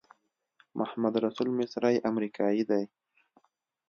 محمدرسول مصری امریکایی دی.